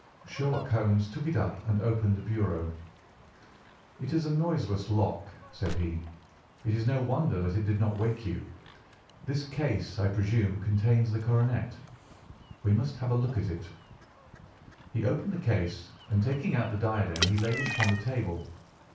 Sherlock Holmes took it up and opened the bureau. "It is a noiseless lock," said he. "It is no wonder that it did not wake you. This case, I presume, contains the coronet. We must have a look at it." He opened the case, and taking out the diadem he laid it upon the table.